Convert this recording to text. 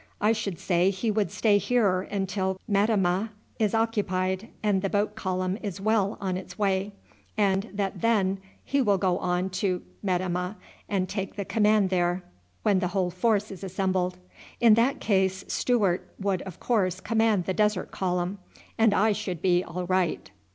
I should say he would stay here until Metemmeh is occupied and the boat column is well on its way, and that then he will go on to Metemmeh, and take the command there when the whole force is assembled. In that case Stewart would of course command the desert column, and I should be all right."